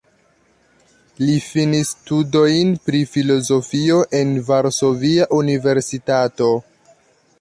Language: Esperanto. Li finis studojn pri filozofio en Varsovia Universitato.